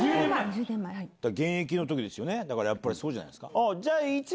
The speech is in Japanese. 現役の時ですよねだからそうじゃないですか？